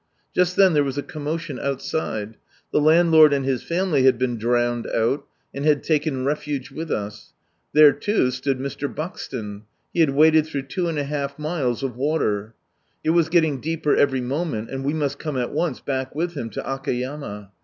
Just then there was a commotion outside. The landlord and his family had been drowned out, and had taken refuge with us. There^ too, stood Mr. Buxton. He had waded through two and a half miles of water ! It was getting deeper every moment, and we must come at once back with him to Akayama.